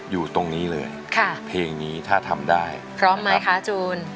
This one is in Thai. อยู่ตรงนี้เลยค่ะเพลงนี้ถ้าทำได้พร้อมไหมคะจูน